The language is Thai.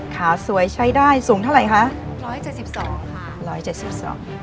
ขาสวยใช้ได้สูงเท่าไหร่คะร้อยเจ็ดสิบสองค่ะร้อยเจ็ดสิบสอง